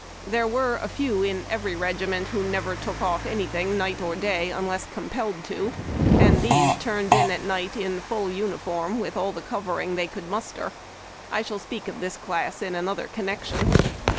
There were a few in each regiment who never took off anything, night or day, unless compelled to; and these turned in at night in full uniform, with all the covering they could muster. I shall speak of this class in another connection.